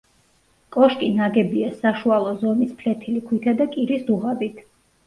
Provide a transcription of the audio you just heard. კოშკი ნაგებია საშუალო ზომის ფლეთილი ქვითა და კირის დუღაბით.